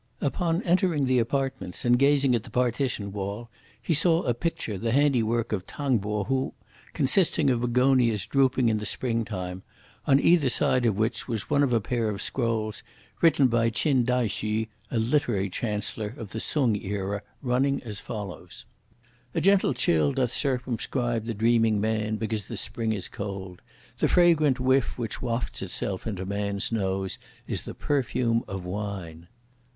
Upon entering the apartments, and gazing at the partition wall, he saw a picture the handiwork of T'ang Po hu, consisting of Begonias drooping in the spring time; on either side of which was one of a pair of scrolls, written by Ch'in Tai hsü, a Literary Chancellor of the Sung era, running as follows: A gentle chill doth circumscribe the dreaming man, because the spring is cold. The fragrant whiff, which wafts itself into man's nose, is the perfume of wine!